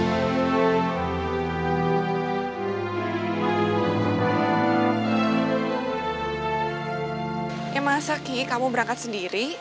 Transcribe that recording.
ya masa aki kamu berangkat sendiri